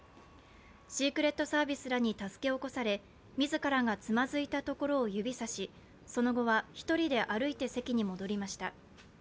シークレットサービスらに助け起こされ、自らがつまずいたところを指さしその後は１人で歩いて席に戻りました。